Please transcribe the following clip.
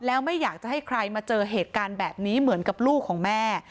แล้วไม่อยากจะให้ใครมาเจอเหตุการณ์แบบนี้เหมือนกับลูกของแม่